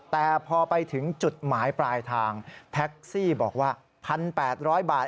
แต่พอไปถึงจุดหมายปลายทางแท็กซี่บอกว่า๑๘๐๐บาท